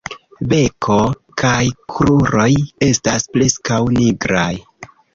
Beko kaj kruroj estas preskaŭ nigraj.